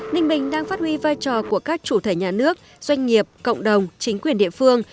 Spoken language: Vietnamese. ninh bình đang phát huy vai trò của các chủ thể nhà nước doanh nghiệp cộng đồng chính quyền địa phương